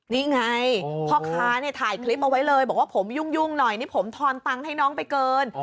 นี่ไงพ่อค้าเนี่ยถ่ายคลิปเอาไว้เลยบอกว่าผมยุ่งหน่อยนี่ผมทอนตังค์ให้น้องไปเกิน